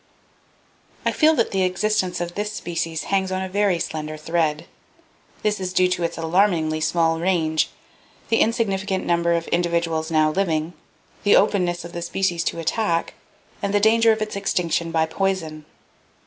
—I feel that the existence of this species hangs on a very slender thread. This is due to its alarmingly small range, the insignificant number of individuals now living, the openness of the species to attack, and the danger of its extinction by poison.